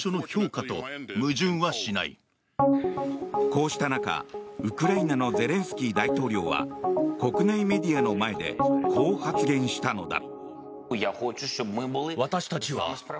こうした中、ウクライナのゼレンスキー大統領は国内メディアの前でこう発言したのだ。